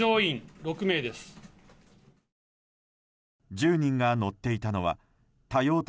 １０人が乗っていたのは多用途